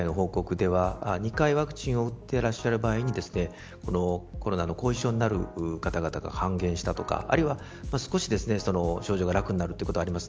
これまでの海外の報告では２回ワクチンを打ってらっしゃる場合にコロナの後遺症になる方々が半減したとかあるいは少し、症状が楽になるということはあります。